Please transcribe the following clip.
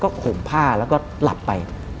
ข่มผ้าแล้วก็หลับไป